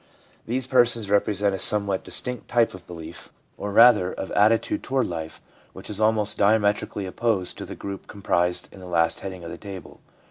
These persons represent q. somewhat distinct type of belief, or 3 i4 THE PSYCHOLOGY OF RELIGION rather, of attitude toward life, which is almost diametric ally opposed to the group comprised in the last heading of the table.